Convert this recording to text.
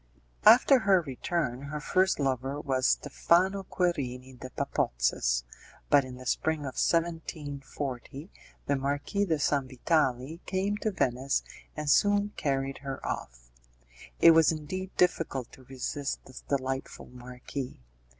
After her return, her first lover was Steffano Querini de Papozzes, but in the spring of 1740, the Marquis de Sanvitali came to Venice and soon carried her off. It was indeed difficult to resist this delightful marquis!